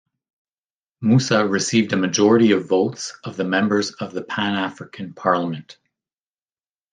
Moussa received a majority of votes of the members of the Pan-African Parliament.